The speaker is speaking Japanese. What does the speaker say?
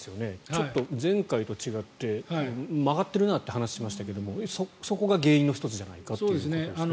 ちょっと前回と違って曲がってるなという話をしましたけどそこが原因の１つじゃないかということですね。